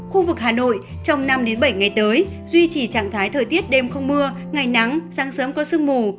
khu vực hà nội trong năm bảy ngày tới duy trì trạng thái thời tiết đêm không mưa ngày nắng sáng sớm có sương mù